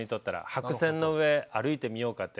白線の上歩いてみようかって。